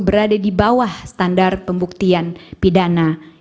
berada di bawah standar pembuktian pidana